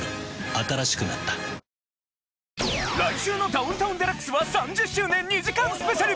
新しくなった来週の『ダウンタウンＤＸ』は３０周年２時間スペシャル！